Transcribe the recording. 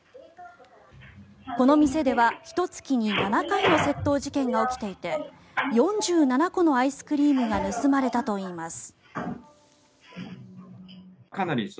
この店では、ひと月に７回の窃盗事件が起きていて４７個のアイスクリームが盗まれたといいます。